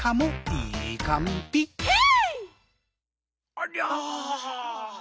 ありゃ。